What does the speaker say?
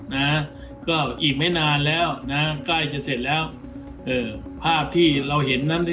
นะก็อีกไม่นานแล้วนะใกล้จะเสร็จแล้วเอ่อภาพที่เราเห็นนั้นที่